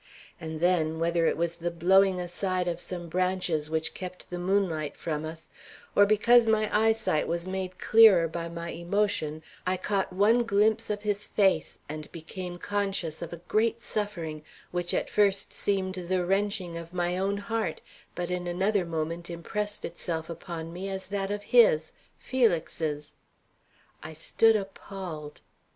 And then, whether it was the blowing aside of some branches which kept the moonlight from us, or because my eyesight was made clearer by my emotion, I caught one glimpse of his face and became conscious of a great suffering, which at first seemed the wrenching of my own heart, but in another moment impressed itself upon me as that of his, Felix's. I stood appalled.